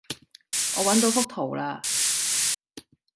我搵到幅圖喇